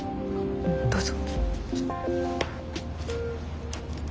どうぞ。